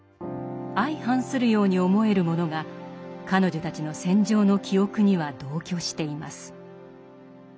相反するように思えるものが彼女たちの戦場の記憶には同居しています。